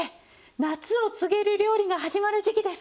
夏を告げる料理が始まる時期です。